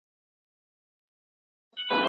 ميني ښار وچاته څه وركوي